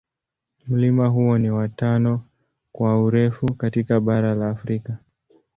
Mlima huo ni wa tano kwa urefu katika bara la Afrika.